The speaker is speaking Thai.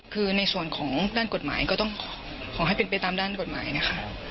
คือในส่วนของด้านกฎหมายก็ต้องขอให้เป็นไปตามด้านกฎหมายนะคะ